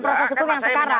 proses hukum yang sekarang